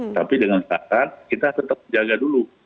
tapi dengan syarat kita tetap jaga dulu